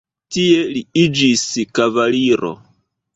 Tie li iĝis kavaliro.